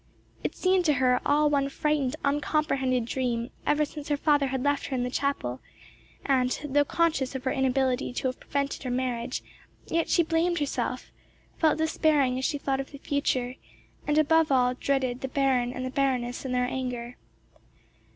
It seemed to her all one frightened, uncomprehended dream ever since her father had left her in the chapel; and, though conscious of her inability to have prevented her marriage, yet she blamed herself, felt despairing as she thought of the future, and, above all, dreaded the Baron and the Baroness and their anger.